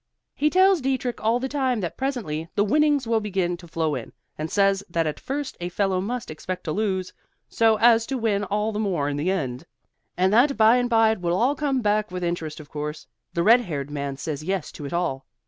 He tells Dietrich all the time that presently the winnings will begin to flow in, and says that at first a fellow must expect to lose, so as to win all the more in the end, and that bye and bye it will all come back; with interest, of course. The red haired man says yes to it all.